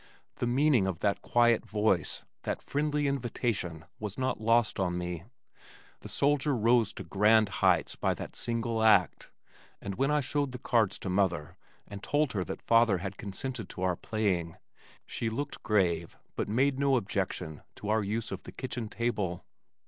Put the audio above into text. The meaning of that quiet voice, that friendly invitation was not lost on me. The soldier rose to grand heights by that single act, and when I showed the cards to mother and told her that father had consented to our playing, she looked grave but made no objection to our use of the kitchen table.